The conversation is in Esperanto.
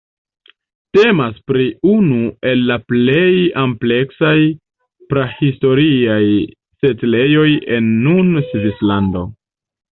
Temas pri unu el la plej ampleksaj prahistoriaj setlejoj en nun Svislando.